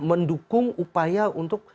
mendukung upaya untuk